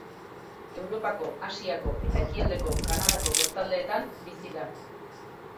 Europako, Asiako eta ekialdeko Kanadako kostaldeetan bizi da.